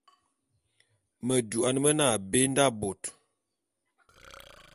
Medouan mene abé nda bot.